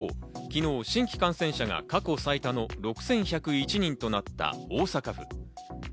一方昨日、新規感染者が過去最多の６１０１人となった大阪府。